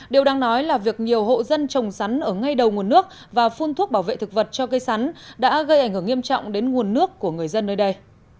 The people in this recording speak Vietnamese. điều đang nói là việc nhiều hộ dân trồng sắn ở ngay đầu nguồn nước và phun thuốc bảo vệ thực vật cho cây sắn đã gây ảnh hưởng nghiêm trọng đến nguồn nước của người dân nơi đây